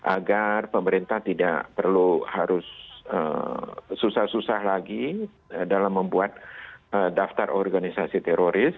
agar pemerintah tidak perlu harus susah susah lagi dalam membuat daftar organisasi teroris